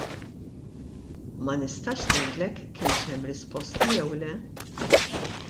Ma nistax ngħidlek kienx hemm risposta jew le.